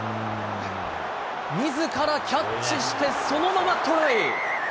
みずからキャッチして、そのままトライ。